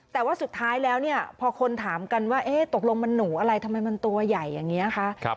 แต่ว่าสุดท้ายแล้วเนี่ยพอคนถามกันว่าตกลงมันหนูอะไรทำไมมันตัวใหญ่อย่างนี้คะ